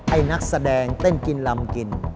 นักแสดงเต้นกินลำกิน